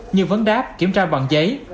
như vấn đáp kiểm tra bằng giấy